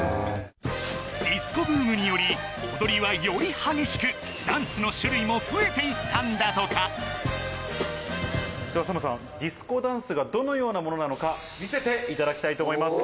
ディスコブームにより踊りはより激しくではＳＡＭさんディスコダンスがどのようなものなのか見せていただきたいと思います